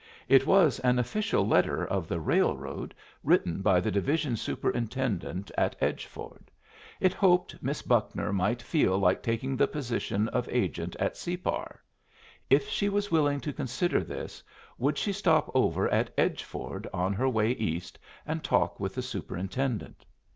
It was an official letter of the railroad, written by the division superintendent at Edgeford. It hoped Miss Buckner might feel like taking the position of agent at Separ. If she was willing to consider this, would she stop over at Edgeford, on her way east, and talk with the superintendent?